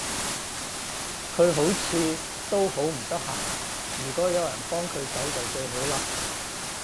佢好似都好唔得閒，如果有人幫佢手就最好嘞